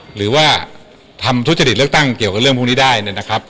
หรือว่าทำทุจริตเลือกตั้งเกี่ยวกับเรื่องพวกนี้ได้เนี่ยนะครับ